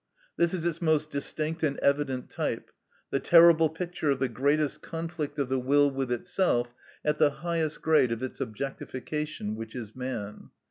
This is its most distinct and evident type, the terrible picture of the greatest conflict of the will with itself at the highest grade of its objectification, which is man.